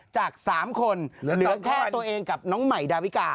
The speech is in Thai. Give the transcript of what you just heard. จาก๓คนเหลือแค่ตัวเองกับน้องใหม่ดาวิกา